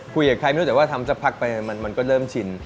คุยกับใครไม่รู้แต่ว่าทำสักพักไปมันก็เริ่มชิน